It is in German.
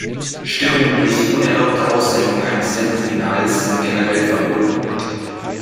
Störungen durch die unerlaubte Aussendung eines Sendesignals sind generell verboten.